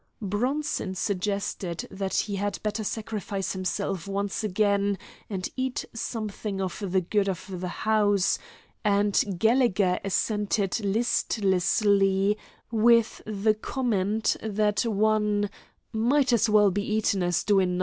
Bronson suggested that he had better sacrifice himself once again and eat something for the good of the house, and Gallegher assented listlessly, with the comment that one "might as well be eatin' as doin' nothin'."